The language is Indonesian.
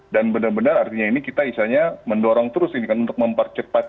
dan benar benar artinya ini kita misalnya mendorong terus ini kan untuk mempercepat